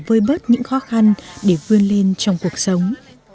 vơi bớt những khó khăn để vươn lên trong cuộc sống